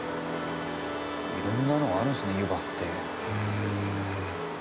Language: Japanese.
色んなのがあるんですね湯葉って。